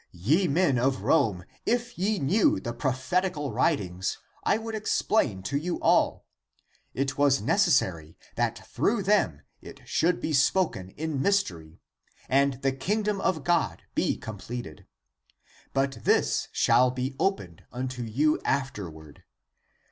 Ye men of Rome, if ye knew^ the prophetical writings, I would explain to you all. It was necessary that through them it should be (spoken) in mystery (and) the King dom of God be completed. But this shall be opened unto you afterward.